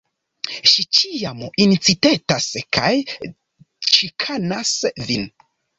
Ŝi ĉiam incitetas kaj ĉikanas vin!